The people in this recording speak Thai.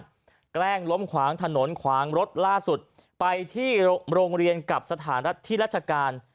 ว่าก็แพร่งล้มถนนควางรถล่าสุดไปที่โรงเรียนกับสถานที่ราชาการ